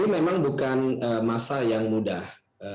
memang bukan masa yang mudah